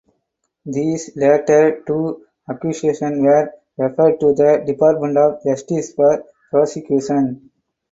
These latter two accusations were referred to the Department of Justice for prosecution.